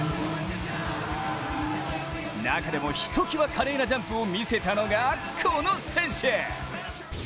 中でも、ひときわ華麗なジャンプを見せたのがこの選手。